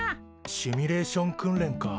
シミュレーション訓練か。